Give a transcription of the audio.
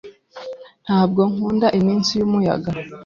Ntabwo nkunda iminsi yumuyaga.